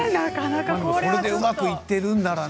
それでうまくいっているならね。